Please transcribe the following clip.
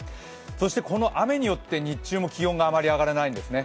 そしてこの雨によって日中も気温があまり上がらないんですね。